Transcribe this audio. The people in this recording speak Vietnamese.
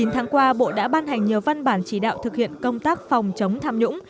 chín tháng qua bộ đã ban hành nhiều văn bản chỉ đạo thực hiện công tác phòng chống tham nhũng